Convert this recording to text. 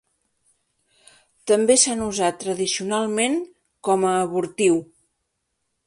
També s'han usat tradicionalment com a abortiu.